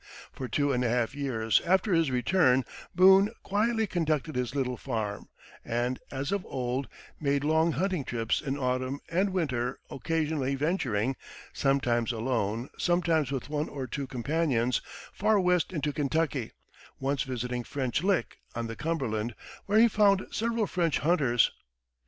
For two and a half years after his return Boone quietly conducted his little farm, and, as of old, made long hunting trips in autumn and winter, occasionally venturing sometimes alone, sometimes with one or two companions far west into Kentucky, once visiting French Lick, on the Cumberland, where he found several French hunters.